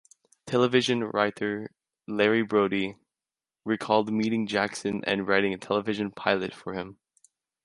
Television writer Larry Brody recalled meeting Jackson and writing a television pilot for him.